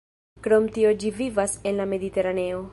Krom tio ĝi vivas en la Mediteraneo.